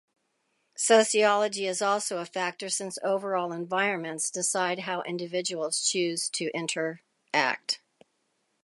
Sociology is also a factor since overall environments decide how individuals choose to interact.